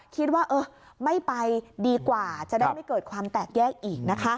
คิดว่าเออไม่ไปดีกว่าจะได้ไม่เกิดความแตกแยกอีกนะคะ